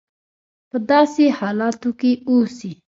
په داسې حالاتو کې اوسي.